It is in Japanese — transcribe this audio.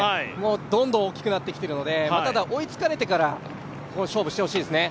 どんどん大きくなってきてるので、ただ追いつかれてから勝負してほしいですね。